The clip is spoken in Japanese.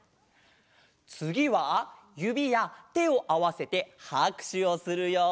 つぎはゆびやてをあわせてはくしゅをするよ！